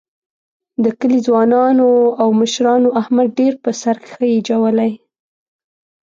د کلي ځوانانو او مشرانو احمد ډېر په سر خېجولی.